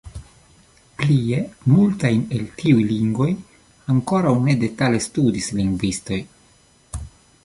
Plie, multajn el tiuj lingvoj ankoraŭ ne detale studis lingvistoj.